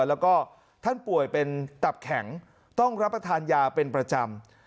แล้วก็ท่านป่วยเป็นตับแข็งต้องรับประทานยาเป็นประจำ